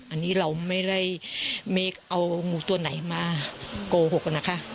อันนี้เราไม่ได้เมคเอางูตัวไหนมาโกหกนะคะ